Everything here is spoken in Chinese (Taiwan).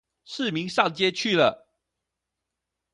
市民上街去了